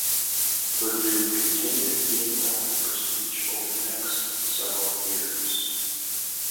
Purdue continued to gain wealth and prestige over the next several years.